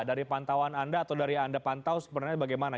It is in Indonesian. dari pantauan anda atau dari yang anda pantau sebenarnya bagaimana